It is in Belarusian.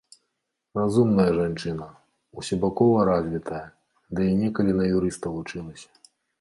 Разумная жанчына, усебакова развітая, ды і некалі на юрыста вучылася.